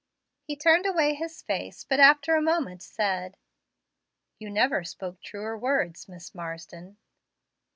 He turned away his face, but after a moment said, "You never spoke truer words, Miss Marsden."